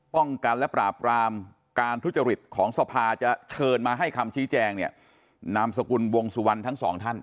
ป้องกันและปราบรามการทุจริตของสภาจะเชิญมาให้คำชี้แจงเนี่ยนามสกุลวงสุวรรณทั้งสองท่าน